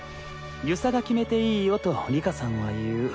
遊佐が決めていいよと里佳さんは言う。